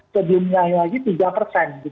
sebelumnya lagi tiga persen